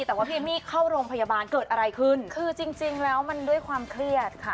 แต่ว่าพี่เอมมี่เข้าโรงพยาบาลเกิดอะไรขึ้นคือจริงจริงแล้วมันด้วยความเครียดค่ะ